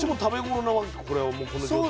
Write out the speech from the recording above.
これはもうこの状態で。